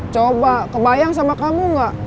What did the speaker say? coba kebayang sama kamu gak